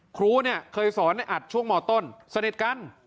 ครูเนี่ยเคยสอนในอัดช่วงมต้นสนิทกัน